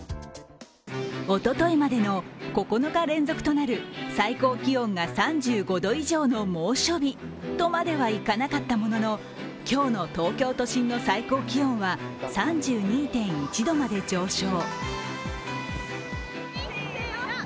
おとといまでの９日連続となる最高気温が３５度以上の猛暑日とまではいかなかったものの今日の東京都心の最高気温は３２．１度まで上昇。